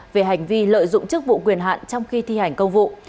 về hành vi lợi dụng chức vụ quyền hạn trong khi thi hành công vụ